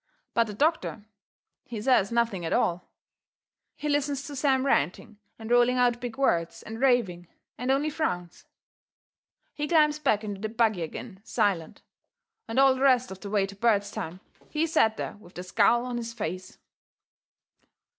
But the doctor, he says nothing at all. He listens to Sam ranting and rolling out big words and raving, and only frowns. He climbs back into the buggy agin silent, and all the rest of the way to Bairdstown he set there with that scowl on his face.